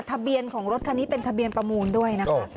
ทะเบียนของรถคันนี้เป็นทะเบียนประมูลด้วยนะคะ